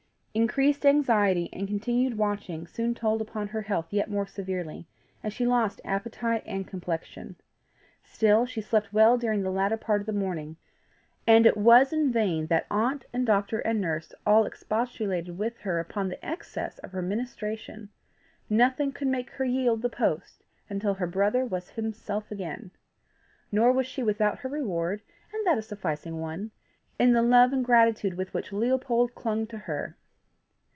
Increased anxiety and continued watching soon told upon her health yet more severely, and she lost appetite and complexion. Still she slept well during the latter part of the morning, and it was in vain that aunt and doctor and nurse all expostulated with her upon the excess of her ministration: nothing should make her yield the post until her brother was himself again. Nor was she without her reward, and that a sufficing one in the love and gratitude with which Leopold clung to her.